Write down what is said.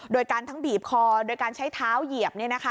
โดยการทั้งบีบคอโดยการใช้เท้าเหยียบ